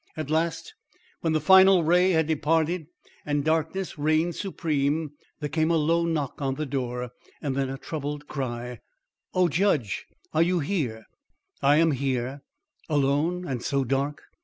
At last, when the final ray had departed and darkness reigned supreme, there came a low knock on the door. Then a troubled cry: "Oh, judge, are you here?" "I am here." "Alone and so dark?"